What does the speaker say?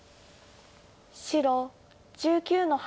白１９の八。